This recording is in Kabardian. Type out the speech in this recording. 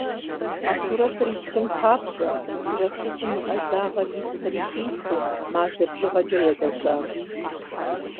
А сурэтыр итхын папщӀэ, сурэтыщӀым и Ӏэзагъэри и псэри хилъхьэу, мазэ бжыгъэкӏэ елэжьащ.